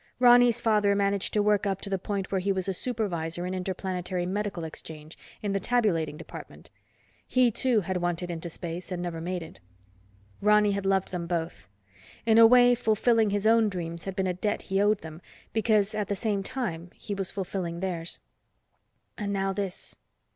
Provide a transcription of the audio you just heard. Ronny's father managed to work up to the point where he was a supervisor in Interplanetary Medical Exchange, in the tabulating department. He, too, had wanted into space, and never made it. Ronny had loved them both. In a way fulfilling his own dreams had been a debt he owed them, because at the same time he was fulfilling theirs. And now this.